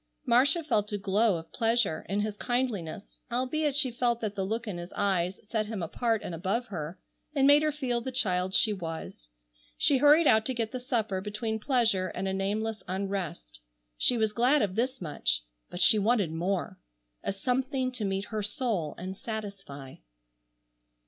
Marcia felt a glow of pleasure in his kindliness, albeit she felt that the look in his eyes set him apart and above her, and made her feel the child she was. She hurried out to get the supper between pleasure and a nameless unrest. She was glad of this much, but she wanted more, a something to meet her soul and satisfy.